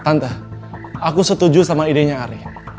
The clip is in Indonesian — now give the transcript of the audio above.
tante aku setuju sama idenya ari